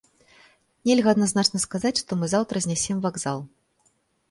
Нельга адназначна сказаць, што мы заўтра знясем вакзал.